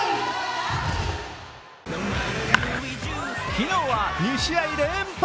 昨日は２試合連発。